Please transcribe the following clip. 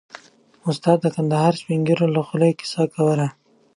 استاد د کندهار د سپين ږيرو له خولې کيسه کوله.